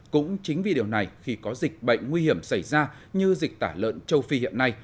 cũng chính vì điều này khi có dịch bệnh nguy hiểm xảy ra như dịch tả lợn châu phi hiện nay